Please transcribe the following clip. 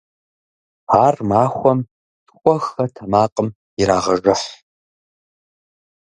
Ар махуэм тхуэ-хэ тэмакъым ирагъэжыхь.